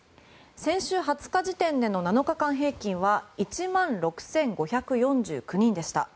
先週２０日時点での７日間平均は１万６５４９人でした。